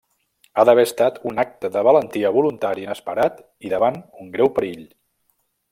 Ha d'haver estat un acte de valentia voluntari inesperat i davant un greu perill.